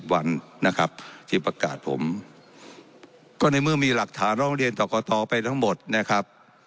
วันนะครับที่ประกาศผมก็ในเมื่อมีหลักฐานร้องเรียนต่อกตไปทั้งหมดนะครับ